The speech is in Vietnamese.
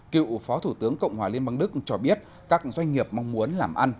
cựu phó thủ tướng cộng hòa liên bang đức cho biết các doanh nghiệp mong muốn làm ăn